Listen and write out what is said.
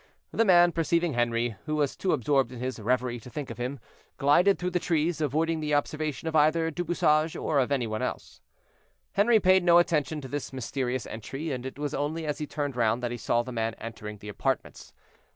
The man, perceiving Henri, who was too absorbed in his reverie to think of him, glided through the trees, avoiding the observation either of Du Bouchage or of any one else. Henri paid no attention to this mysterious entry; and it was only as he turned round that he saw the man entering the apartments.